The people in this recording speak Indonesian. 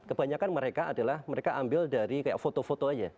kebanyakan mereka adalah mereka ambil dari kayak foto foto aja